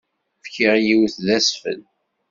Fkiɣ yiwet d asfel.